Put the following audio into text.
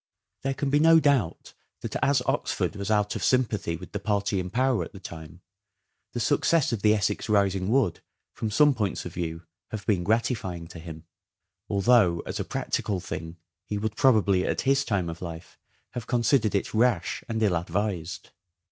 There can be no doubt that as Oxford was out of sympathy with the party in power at the time, the success of the Essex rising would, from some points of view, have been gratifying to him ; although, as a practical thing, he would probably, at his time of life, have considered it rash and ill advised.